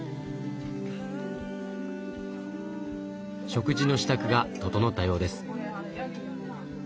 食事の支度が整ったようです。